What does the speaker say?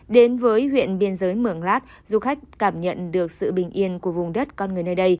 đến với huyện biên giới mường lát du khách cảm nhận được sự bình yên của vùng đất con người nơi đây